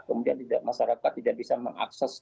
kemudian masyarakat tidak bisa mengakses